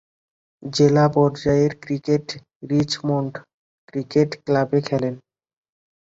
জেলা পর্যায়ের ক্রিকেটে রিচমন্ড ক্রিকেট ক্লাবে খেলেন।